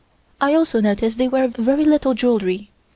I also notice they wear very little jewelry.